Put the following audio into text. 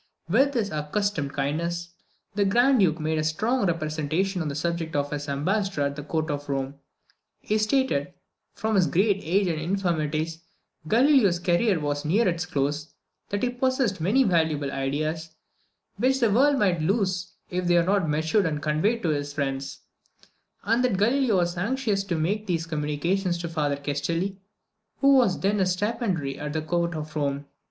With his accustomed kindness, the Grand Duke made a strong representation on the subject to his ambassador at the Court of Rome. He stated that, from his great age and infirmities, Galileo's career was near its close; that he possessed many valuable ideas, which the world might lose if they were not matured and conveyed to his friends; and that Galileo was anxious to make these communications to Father Castelli, who was then a stipendiary of the Court of Rome.